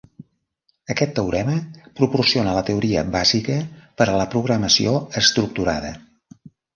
Aquest teorema proporciona la teoria bàsica per a la programació estructurada.